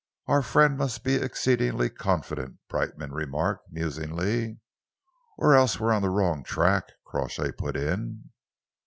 "Our friend must be exceedingly confident," Brightman remarked musingly. "Or else we are on the wrong tack," Crawshay put in.